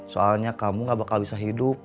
soalnya kamu gak bakal bisa hidup